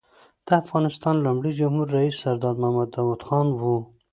د افغانستان لومړی جمهور رییس سردار محمد داود خان و.